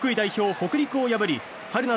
・北陸を破り春夏